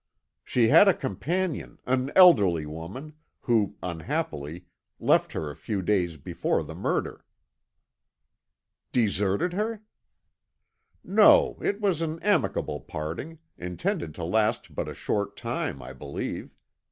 "She had a companion, an elderly woman, who, unhappily, left her a few days before the murder." "Deserted her?" "No; it was an amicable parting, intended to last but a short time, I believe.